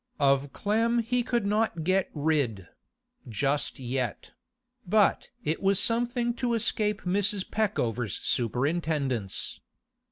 Of Clem he could not get rid—just yet; but it was something to escape Mrs. Peckover's superintendence.